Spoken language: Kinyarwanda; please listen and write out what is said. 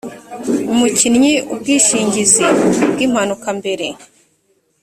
umukinnyi ubwishingizi bw impanuka mbere